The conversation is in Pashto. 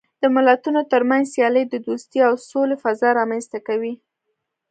د ملتونو ترمنځ سیالۍ د دوستۍ او سولې فضا رامنځته کوي.